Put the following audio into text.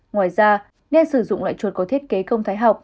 ngoài ra nên sử dụng loại chuột có thiết kế công thái học